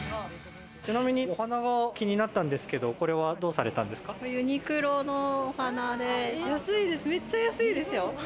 ちなみにお花がきになったんですけど、これはどうされたんでユニクロのお花で安いです。